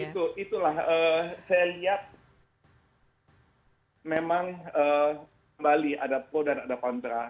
ya itulah saya lihat memang bali ada pro dan ada pantra